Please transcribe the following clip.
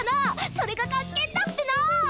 それがかっけえんだっぺなぁ！